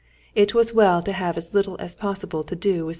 It was as well to have as little as possible to do with such a person.